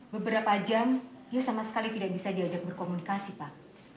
beberapa jam dia sama sekali tidak bisa diajak berkomunikasi pak